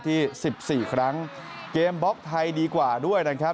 ที่สิบสี่ครั้งเกมบล็อกไทยดีกว่าด้วยนะครับ